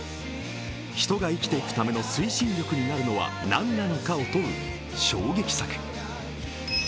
人が生きていくための推進力になるのかはなんなのかを問う、衝撃作です。